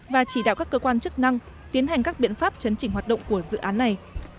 và chỉ đạo các cơ quan chức năng tiến hành các biện pháp chấn chỉnh hoạt động của dự án này